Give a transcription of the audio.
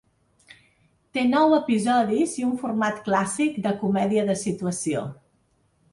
Té nou episodis i un format clàssic de comèdia de situació.